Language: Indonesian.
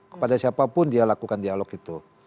kepada siapapun dia lakukan dialog itu